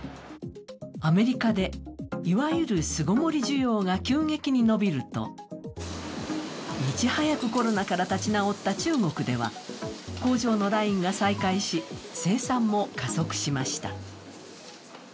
アメリカで、いわゆる巣ごもり需要が急激に伸びるといち早くコロナから立ち直った中国では工場のラインが再開し、生産も加速しました。